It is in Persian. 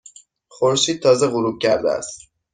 خورشید تازه غروب کرده است.